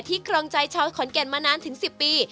ครองใจชาวขอนแก่นมานานถึง๑๐ปี